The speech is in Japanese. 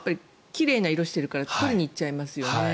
奇麗な色をしてるから取りに行っちゃいますよね。